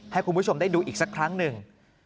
ให้คุณผู้ชมได้ดูอีกสักครั้งหนึ่ง